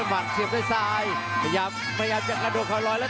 ใจเผชกระยะเข้ามา